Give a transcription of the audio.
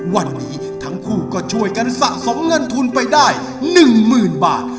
วันนี้ทั้งคู่ก็ช่วยกันสะสมเงินทุนไปได้๑๐๐๐บาท